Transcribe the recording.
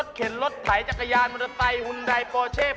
รถเข็นรถถ่ายจักรยานมอเตอร์ไตฮุนไดปอร์เชฟ